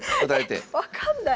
分かんない。